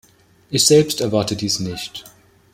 Ich selbst erwarte dies nicht.